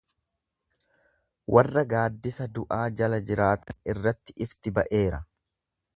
Warra gaaddisa du'aa jala jiraatan irratti ifti ba'eera.